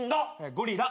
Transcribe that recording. ゴリラ。